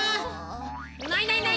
ないないない！